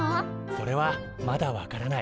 それはまだ分からない。